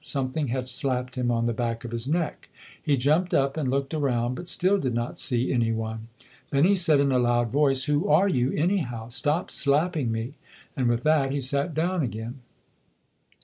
Something had slapped him on the back of his neck. He jumped up and looked around but still did not see any one. Then he said in a loud voice, "Who are you, anyhow? Stop slapping me". And with that, he sat down again.